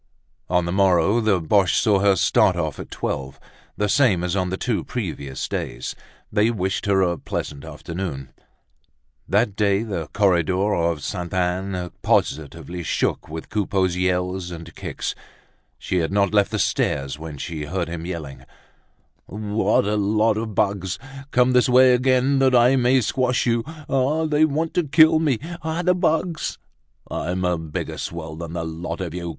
On the morrow, the Boches saw her start off at twelve, the same as on the two previous days. They wished her a pleasant afternoon. That day the corridor at Sainte Anne positively shook with Coupeau's yells and kicks. She had not left the stairs when she heard him yelling: "What a lot of bugs!—Come this way again that I may squash you!—Ah! they want to kill me! ah! the bugs!—I'm a bigger swell than the lot of you!